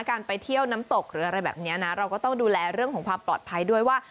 การไปเที่ยวน้ำตกหรืออะไรแบบนี้นะเราก็ต้องดูแลเรื่องของความปลอดภัยด้วยว่า